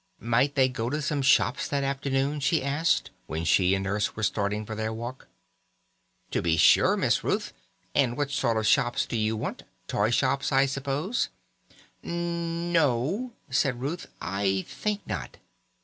Might they go to some shops that afternoon, she asked, when she and Nurse were starting for their walk. "To be sure, Miss Ruth; and what sort of shops do you want? Toy shops, I suppose." "N no," said Ruth; "I think not.